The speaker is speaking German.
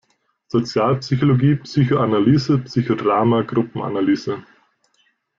Sozialpsychologie, Psychoanalyse, Psychodrama, Gruppenanalyse